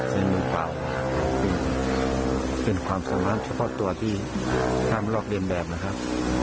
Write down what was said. เป็นมือเปล่าเป็นความสามารถเฉพาะตัวที่ห้ามลอกเรียนแบบนะครับ